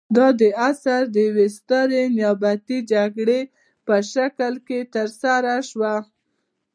دا د عصر د یوې سترې نیابتي جګړې په شکل کې ترسره شوه.